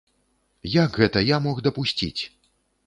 Як гэта я мог дапусціць!